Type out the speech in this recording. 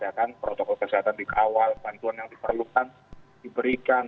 ya kan protokol kesehatan dikawal bantuan yang diperlukan diberikan